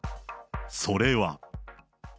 それは。